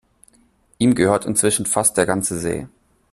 Ihm gehört inzwischen fast der ganze See.